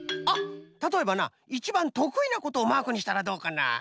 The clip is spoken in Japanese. あったとえばないちばんとくいなことをマークにしたらどうかな？